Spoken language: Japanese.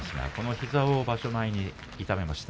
膝を場所前に痛めました。